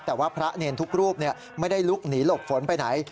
แต่ว่าพระเนรทุกรูปไม่ได้ลุกหนีหลบฝนไปไหน